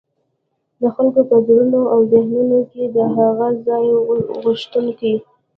د خلګو په زړونو او ذهنونو کي د هغه ځان غوښتونکي